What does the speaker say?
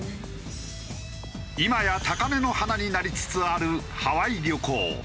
今や高嶺の花になりつつあるハワイ旅行。